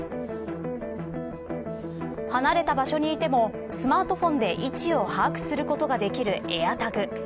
離れた場所にいてもスマートフォンで位置を把握することができるエアタグ。